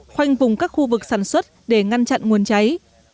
khoanh vùng các khu vực sản xuất để ngăn chặn nguồn cháy